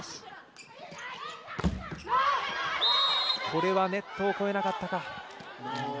これはネットを越えなかったか。